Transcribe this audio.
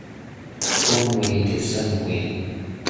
講話就算話